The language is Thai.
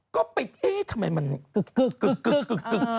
ก็ไปเอ๊ะทำไมมันกึก